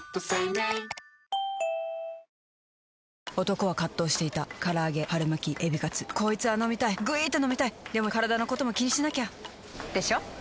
男は葛藤していた唐揚げ春巻きエビカツこいつぁ飲みたいぐいーーっと飲みたいでもカラダのことも気にしなきゃ！でしょ？